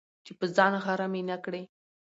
چي په ځان غره مي نه کړې،